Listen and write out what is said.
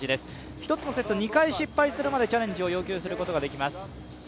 一つのセット２回失敗するまでチャレンジを要求することができます。